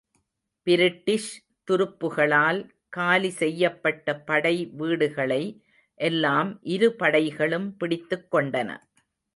British துருப்புகளால் காலி செய்யப்பட்ட படை வீடுகளை எல்லாம் இரு படைகளும் பிடித்துக்கொண்டன.